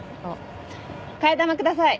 替え玉ください。